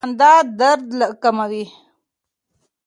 خندا درد کموي.